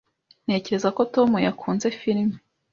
Ntekereza ko Tom yakunze firime.